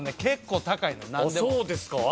そうですか？